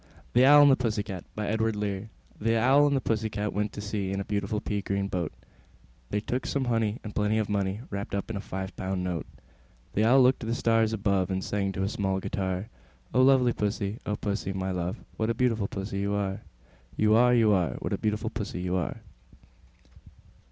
THE OWL AND THE PUSSY CAT. I. The Owl and the Pussy Cat went to sea In a beautiful pea green boat: They took some honey, and plenty of money Wrapped up in a five pound note. The Owl looked up to the stars above, And sang to a small guitar, "O lovely Pussy, O Pussy, my love, What a beautiful Pussy you are, You are, You are! What a beautiful Pussy you are!"